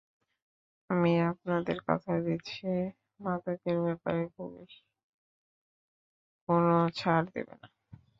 আমি আপনাদের কথা দিচ্ছি, মাদকের ব্যাপারে পুলিশ কোন ছাড় দেবে না।